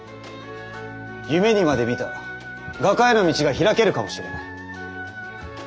夢にまでみた画家への道が開けるかもしれない。